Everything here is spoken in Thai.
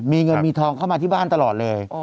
มีเงินมีทองเข้ามาที่บ้านตลอดเลย